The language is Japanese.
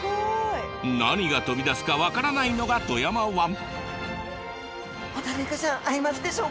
何が飛び出すか分からないのが富山湾！